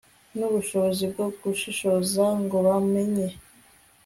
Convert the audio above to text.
nubushobozi bwo gushishoza ngo bamenye